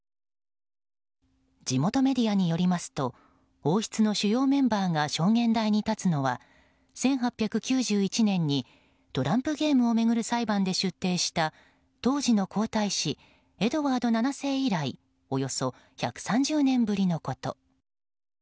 地元メディアによりますと王室の主要メンバーが証言台に立つのは、１８９１年にトランプゲームを巡る裁判で出廷した当時の皇太子エドワード７世以来およそ１３０年ぶりのこと。